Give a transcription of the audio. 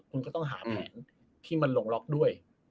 คุณก็ต้องหาแผนที่มันหลงล็อกด้วย